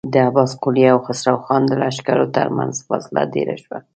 د عباس قلي او خسرو خان د لښکرو تر مينځ فاصله ډېره شوه.